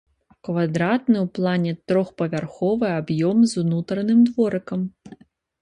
Квадратны ў плане трохпавярховы аб'ём з унутраным дворыкам.